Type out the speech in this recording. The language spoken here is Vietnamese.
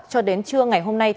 cho đến trưa ngày hôm nay